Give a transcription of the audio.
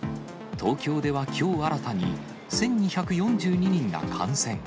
東京ではきょう新たに１２４２人が感染。